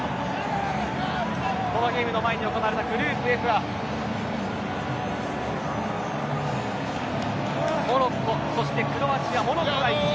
このゲームの前に行われたグループＦはモロッコ、そしてクロアチア。